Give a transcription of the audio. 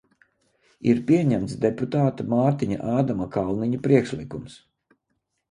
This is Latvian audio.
Ir pieņemts deputāta Mārtiņa Ādama Kalniņa priekšlikums.